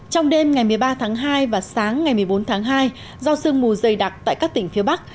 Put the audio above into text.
trong đêm ngày một mươi ba tháng hai và sáng ngày một mươi bốn tháng hai do sương mù dày đặc tại các tỉnh phía bắc